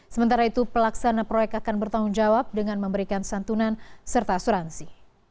sementara itu pelaksana proyek akan bertanggung jawab dengan memberikan santunan serta asuransi